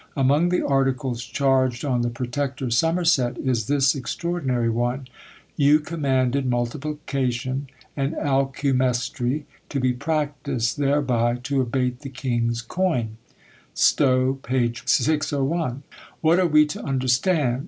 Among the articles charged on the Protector Somerset is this extraordinary one: "You commanded multiplication and alcumestry to be practised, thereby to abate the king's coin." Stowe, p. 601. What are we to understand?